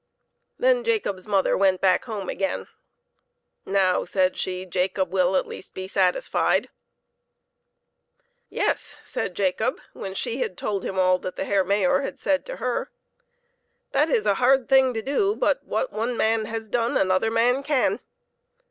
Then Jacob's mother went back home again. " Now," said she, "Jacob will, at least, be satisfied." " Yes," said Jacob, when she had told him all that the Herr Mayor had said to her, " that is a hard thing to do; but what one man has done, another man can."